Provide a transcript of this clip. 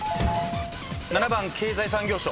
７番経済産業省。